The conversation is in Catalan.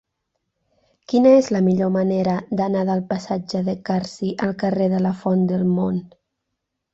Quina és la millor manera d'anar del passatge de Carsi al carrer de la Font del Mont?